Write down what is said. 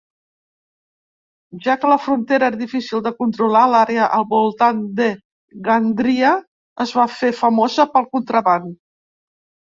Ja que la frontera era difícil de controlar, l'àrea al voltant de Gandria es va fer famosa pel contraban.